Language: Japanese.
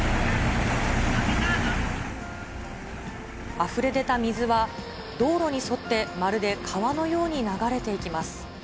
あふれ出た水は道路に沿って、まるで川のように流れていきます。